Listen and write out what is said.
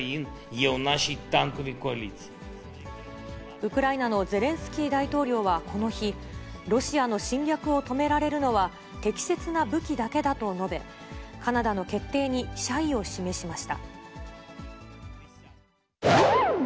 ウクライナのゼレンスキー大統領はこの日、ロシアの侵略を止められるのは適切な武器だけだと述べ、カナダの決定に謝意を示しました。